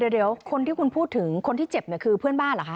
เดี๋ยวคนที่คุณพูดถึงคนที่เจ็บเนี่ยคือเพื่อนบ้านเหรอคะ